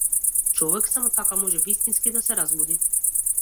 Човек само така може вистински да се разбуди.